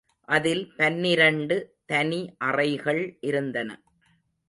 அதில் பன்னிரண்டு தனி அறைகள் இருந்தன.